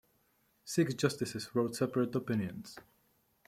Six justices wrote separate opinions.